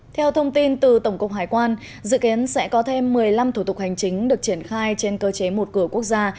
theo thông tin từ tổng cục hải quan dự kiến sẽ có thêm một mươi năm thủ tục hành chính được triển khai trên cơ chế một cửa quốc gia